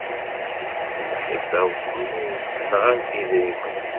Lemḥibba-w temmut, nɣan-tt yedrimen.